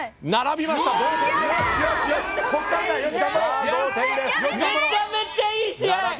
めちゃめちゃいい試合！